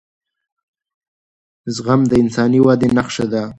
زغم د انساني ودې نښه ده